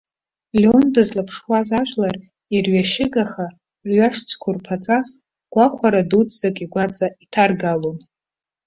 Леон дызлаԥшуаз ажәлар, ирҩашьыгаха, рҩашцәқәырԥаҵас гәахәара дуӡӡак игәаҵа иҭаргалон.